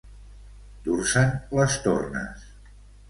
Dur-se'n les tornes.